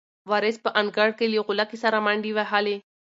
وارث په انګړ کې له غولکې سره منډې وهلې.